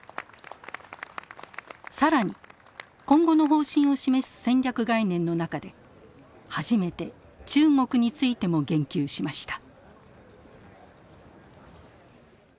更に今後の方針を示す「戦略概念」の中で初めて中国についても言及しました。